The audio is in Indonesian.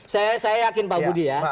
saya yakin pak budi ya